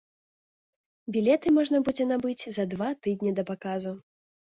Білеты можна будзе набыць за два тыдні да паказу.